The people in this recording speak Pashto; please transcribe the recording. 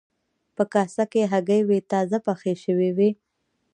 په کاسه کې هګۍ وې تازه پخې شوې وې.